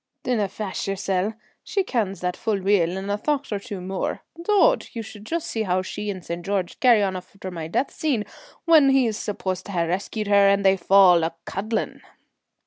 "Dinna fash yoursel' she kens that full weel and a thocht or two more. Dod! Ye should just see how she and St. George carry on after my death scene, when he's supposit to ha' rescued her and they fall a cuddlin'."